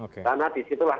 karena di situ lah